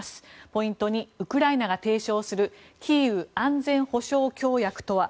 ポイント２ウクライナが提唱するキーウ安全保障協約とは。